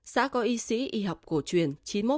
xã có y sĩ y học cổ truyền chín mươi một